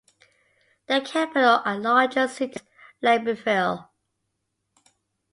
The capital and largest city is Libreville.